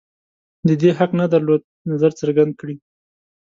د دې حق نه درلود نظر څرګند کړي